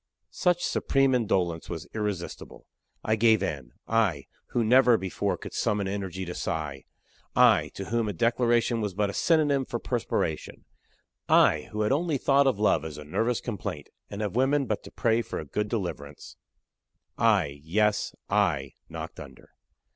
Such supreme indolence was irresistible. I gave in I who never before could summon energy to sigh I to whom a declaration was but a synonym for perspiration I who had only thought of love as a nervous complaint, and of women but to pray for a good deliverance I yes I knocked under.